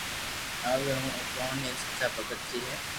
اھيو ھون او ڪہوني ايڪ سچا ڀگت ري ھي